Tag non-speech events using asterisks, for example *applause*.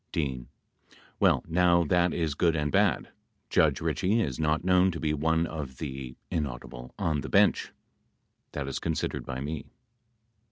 D. Well now that is good and bad. Judge Ritchie is not known to be one of the *inaudible* on the bench, that is con sidered by me.